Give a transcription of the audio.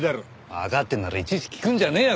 わかってんならいちいち聞くんじゃねえよ！